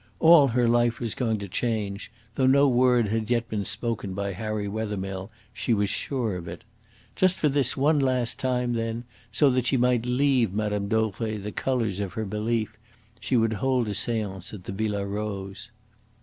All her life was going to change; though no word had yet been spoken by Harry Wethermill, she was sure of it. Just for this one last time, then, so that she might leave Mme. Dauvray the colours of her belief, she would hold a seance at the Villa Rose.